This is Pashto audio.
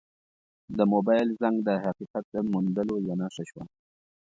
د موبایل زنګ د حقیقت د موندلو یوه نښه شوه.